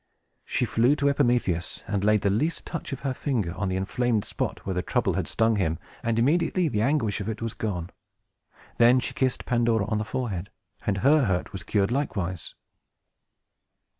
She flew to Epimetheus, and laid the least touch of her finger on the inflamed spot where the Trouble had stung him, and immediately the anguish of it was gone. Then she kissed Pandora on the forehead, and her hurt was cured likewise.